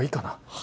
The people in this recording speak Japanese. は？